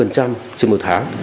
trên một tháng